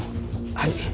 はい。